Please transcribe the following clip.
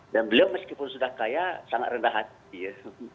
dan beliau meskipun sudah kaya sangat rendah hati ya